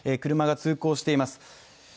車が通行しています。